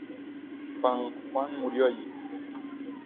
Pang Juan murió allí.